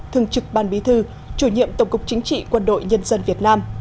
thường trực ban bí thư chủ nhiệm tổng cục chính trị quân đội nhân dân việt nam